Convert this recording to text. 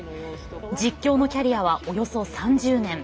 実況のキャリアはおよそ３０年。